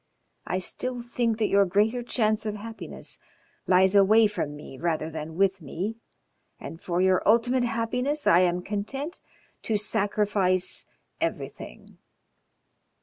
I still think that your greater chance of happiness lies away from me rather than with me, and for your ultimate happiness I am content to sacrifice everything."